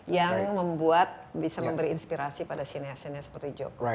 yang membuat bisa memberi inspirasi pada sinar sinar seperti joko